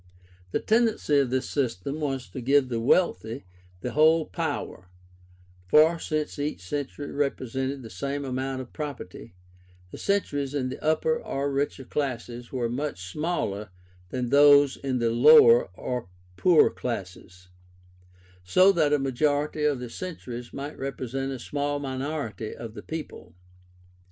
The tendency of this system was to give the wealthy the whole power; for since each century represented the same amount of property, the centuries in the upper or richer classes were much smaller than those in the lower or poorer classes, so that a majority of the centuries might represent a small minority of the people.